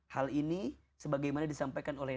hal ini sebagaimana disampaikan oleh